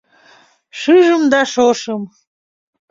Шыжым да шошым.